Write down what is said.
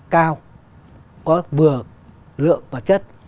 đảm bảo tốc độ cao có vừa lượng và chất